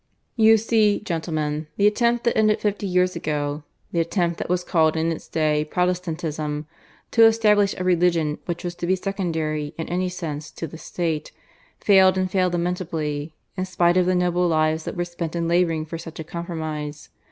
"You see, gentlemen, the attempt that ended fifty years ago the attempt that was called in its day Protestantism to establish a religion which was to be secondary in any sense to the State, failed and failed lamentably, in spite of the noble lives that were spent in labouring for such a compromise.